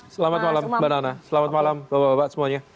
selamat malam mbak nana selamat malam bapak bapak semuanya